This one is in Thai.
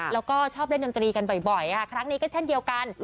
แล้วก็ชอบเล่นดนตรีกันบ่อยค่ะครั้งนี้ก็เช่นเดียวกัน